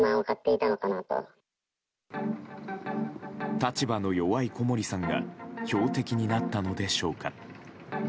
立場の弱い小森さんが標的になったのでしょうか。